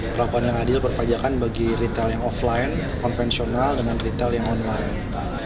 perlakuan yang adil perpajakan bagi retail yang offline konvensional dengan retail yang online